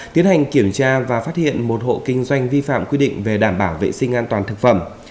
tiến hành kiểm tra và phát hiện một hộ kinh doanh vi phạm quy định về đảm bảo vệ sinh an toàn thực phẩm